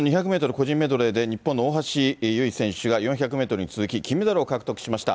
個人メドレーで、日本の大橋悠依選手が、４００メートルに続き金メダルを獲得しました。